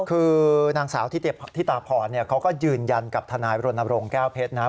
คือนางสาวที่ตาผ่อนเขาก็ยืนยันกับทนายรณรงค์แก้วเพชรนะ